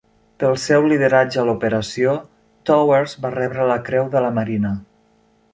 Pel seu lideratge a l'operació, Towers va rebre la Creu de la Marina.